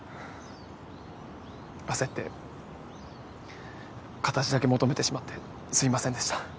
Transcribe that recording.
焦って形だけ求めてしまってすいませんでした。